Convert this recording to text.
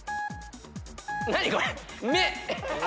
何これ⁉目！